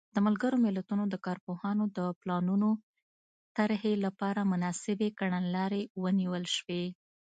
د ملګرو ملتونو د کارپوهانو د پلانونو طرحې لپاره مناسبې کړنلارې ونیول شوې.